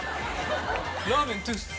ラーメントゥース。